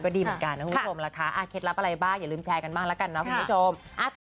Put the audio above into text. ดีเหมือนกันนะคุณผู้ชมล่ะคะเคล็ดลับอะไรบ้างอย่าลืมแชร์กันบ้างแล้วกันนะคุณผู้ชม